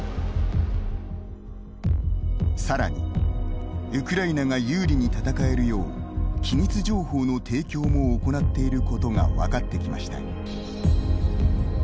さらに、ウクライナが有利に戦えるよう、機密情報の提供も行っていることが分かってきました。